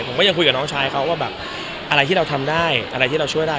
ผมก็ยังคุยกับน้องชายเขาว่าแบบอะไรที่เราทำได้อะไรที่เราช่วยได้